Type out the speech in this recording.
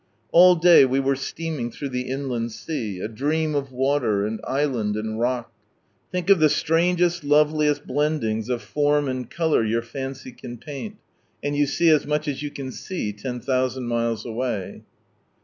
All day we were steaming through the Inland Sea, a dream of water, and island, and rock. Think of the strangest loveliest blendings of form and colour your fancy can paint, and you see as much as you can see, ten thousand miles away.